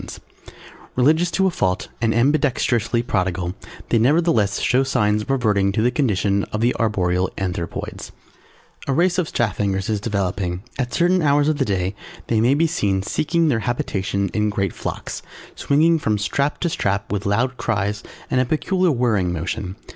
[Illustration: THE ORIGINAL STRAPHANGERS] Religious to a fault, and ambidexterously prodigal, they nevertheless show signs of reverting to the condition of the Arboreal Anthropoids. A race of Straphangers is developing. At certain hours of the day, they may be seen seeking their habitations in great flocks, swinging from strap to strap with loud cries and a peculiar whirling motion.